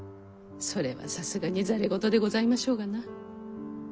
それはさすがに戯れ言でございましょうがな。